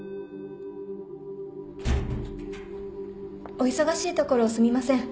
・お忙しいところすみません。